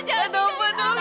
jangan tinggalin aku